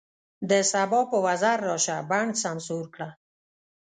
د سبا په وزر راشه، بڼ سمسور کړه